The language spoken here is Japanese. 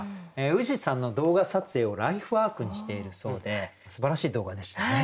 富士山の動画撮影をライフワークにしているそうですばらしい動画でしたよね。